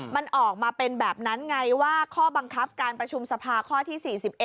มันออกมาเป็นแบบนั้นไงว่าข้อบังคับการประชุมสภาข้อที่๔๑